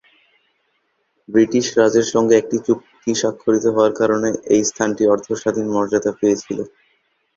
British রাজের সঙ্গে একটি চুক্তি স্বাক্ষরিত হওয়ার কারণে এই স্থানটি অর্ধ-স্বাধীন মর্যাদা পেয়েছিল।